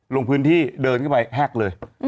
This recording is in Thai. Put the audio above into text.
หลังพื้นที่เดินไปแฮกเลย